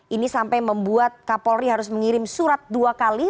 ini sampai membuat kapolri harus mengirim surat dua kali